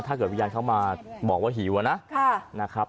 ถ้าเกิดวิญญาณเขามาบอกว่าหิวอะน่ะค่ะนะครับ